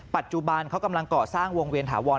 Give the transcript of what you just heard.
ปัจจุบันเขากำลังก่อสร้างวงเวียนถาวร